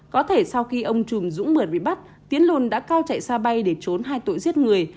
có thể sau khi ông trùm dũng mượt bị bắt tiến lùn đã cao chạy xa bay để trốn hai tội giết người